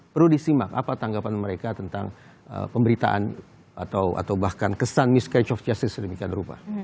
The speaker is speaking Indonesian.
perlu disimak apa tanggapan mereka tentang pemberitaan atau bahkan kesan discreach of justice sedemikian rupa